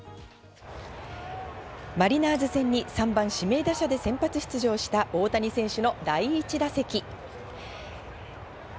マリナーズ戦に３番・指名打者で先発出場した大谷選手の第１打席。